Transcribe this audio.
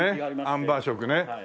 アンバー色ね。